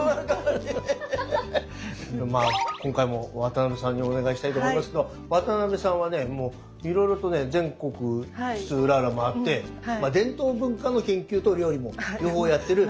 まあ今回も渡辺さんにお願いしたいと思いますけども渡辺さんはねもういろいろとね全国津々浦々回ってまあ伝統文化の研究と料理も両方やってる。